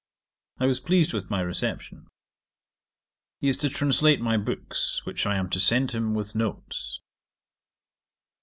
I was pleased with my reception. He is to translate my books, which I am to send him with notes.